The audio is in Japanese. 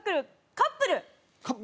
カップル？